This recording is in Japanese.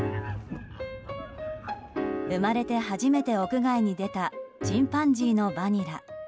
生まれて初めて屋外に出たチンパンジーのバニラ。